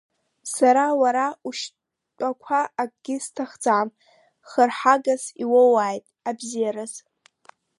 Сара уара ушьтәақәа акгьы сҭахӡам, хырҳагас иуоуааит, абзеираз!